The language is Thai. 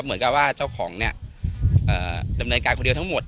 เหมือนกับว่าเจ้าของเนี่ยดำเนินการคนเดียวทั้งหมด